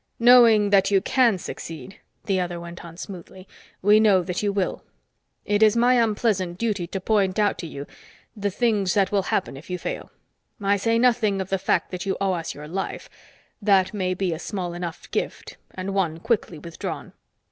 "Knowing that you can succeed," the other went on smoothly, "we know that you will. It is my unpleasant duty to point out to you the things that will happen if you fail. I say nothing of the fact that you owe us your life; that may be a small enough gift, and one quickly withdrawn.